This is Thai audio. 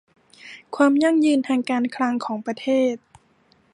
ความยั่งยืนทางการคลังของประเทศ